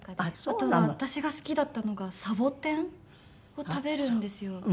あと私が好きだったのがサボテンを食べるんですよ。